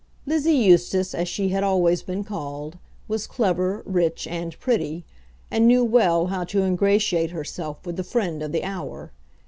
Lizzie Eustace, as she had always been called, was clever, rich, and pretty, and knew well how to ingratiate herself with the friend of the hour.